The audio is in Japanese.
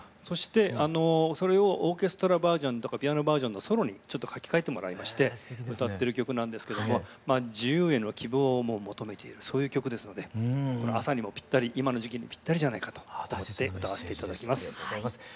そしてそれをオーケストラバージョンとかピアノバージョンのソロにちょっと書き換えてもらいまして歌ってる曲なんですけどもまあ自由への希望を求めているそういう曲ですので朝にもぴったり今の時期にぴったりじゃないかと思って歌わせて頂きます。